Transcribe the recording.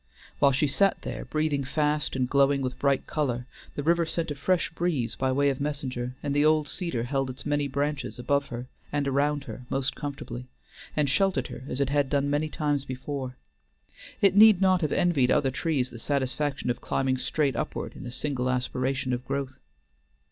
While she sat there, breathing fast and glowing with bright color, the river sent a fresh breeze by way of messenger, and the old cedar held its many branches above her and around her most comfortably, and sheltered her as it had done many times before. It need not have envied other trees the satisfaction of climbing straight upward in a single aspiration of growth.